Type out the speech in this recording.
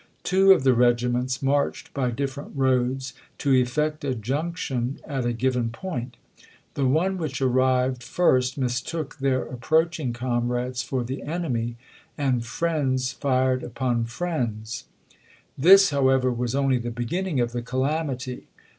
Two of the regiments marched by different roads to effect a junction at a given point ; the one which arrived first mistook their approaching comrades for the enemy, and friends fired upon friends. This, how ever, was only the beginning of the calamity.